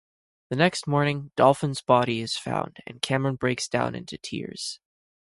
The next morning, Dolphin's body is found, and Cameron breaks down into tears.